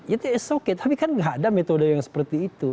ya itu oke tapi kan tidak ada metode yang seperti itu